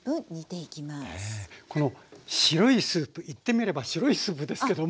この白いスープ言ってみれば白いスープですけども。